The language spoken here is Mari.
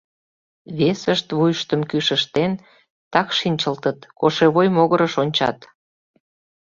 Весышт, вуйыштым кӱш ыштен, так шинчылтыт, кошевой могырыш ончат.